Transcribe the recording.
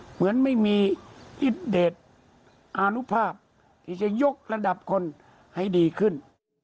เหมือนไม่มีอิตเดทอานุภาพที่จะยกระดับคนให้ดีขึ้น